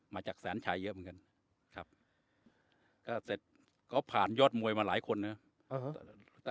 มาจากแสนชัยเยอะเหมือนกันครับก็เสร็จก็ผ่านยอดมวยมาหลายคนนะครับ